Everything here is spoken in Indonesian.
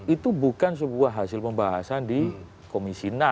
itu bukan sebuah hasil pembahasan di komisi enam